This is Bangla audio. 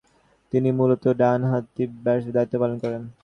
তিনি মূলতঃ ডানহাতি ব্যাটসম্যানের দায়িত্ব পালন করেন।